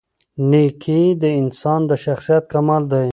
نېکي د انسان د شخصیت کمال دی.